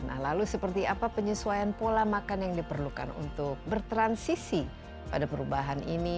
nah lalu seperti apa penyesuaian pola makan yang diperlukan untuk bertransisi pada perubahan ini